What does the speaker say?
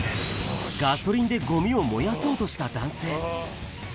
ガソリンでごみを燃やそうとした男性。